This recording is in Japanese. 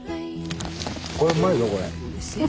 これうまいぞこれ。